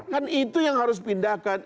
kan itu yang harus dipindahkan